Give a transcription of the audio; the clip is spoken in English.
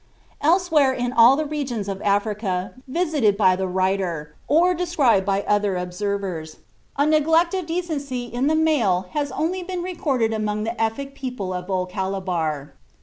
Elsewhere in all the regions of Africa visited by the writer, or described by other observers, a neglect of decency in the male has only been recorded among the Efik people of Old Calabar.